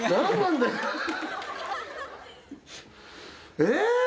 えっ！